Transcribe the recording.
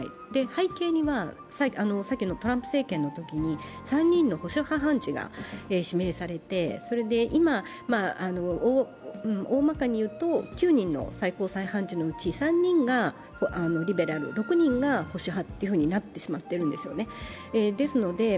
背景には、さっきのトランプ政権のときに３人の保守派の判事が指名されて、それで、今、大まかに言うと９人の最高裁判事のうち３人がリベラル、６人が保守派となってしまっているんです。